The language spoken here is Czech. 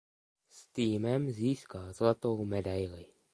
S týmem získal zlatou medaili.